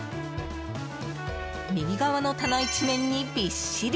右側の棚一面にびっしり！